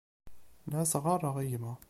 La as-ɣɣareɣ i gma.